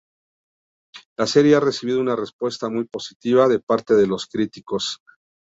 La serie ha recibido una respuesta muy positiva de parte de los críticos.